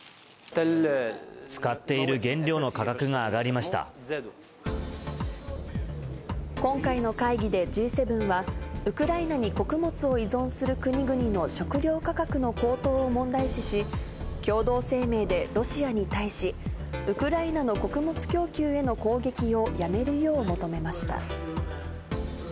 使っている原料の価格が上が今回の会議でＧ７は、ウクライナに穀物を依存する国々の食料価格の高騰を問題視し、共同声明でロシアに対し、ウクライナの穀物供給への攻撃をやめるよう求めました。